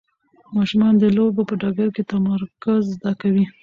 ماشومان د لوبو په ډګر کې تمرکز زده کوي.